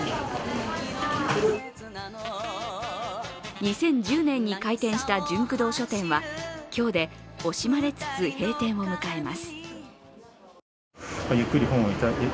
２０１０年に開店したジュンク堂書店は今日で惜しまれつつ閉店を迎えます。